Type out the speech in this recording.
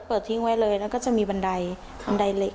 ทิ้งไว้เลยแล้วก็จะมีบันไดบันไดเหล็ก